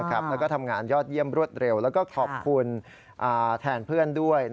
แล้วก็ทำงานยอดเยี่ยมรวดเร็วแล้วก็ขอบคุณแทนเพื่อนด้วย